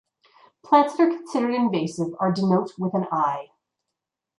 Plants that are considered invasive are denote with an (I).